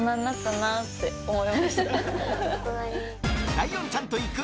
ライオンちゃんと行く！